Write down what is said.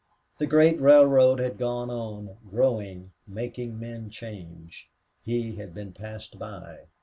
The great railroad had gone on, growing, making men change. He had been passed by.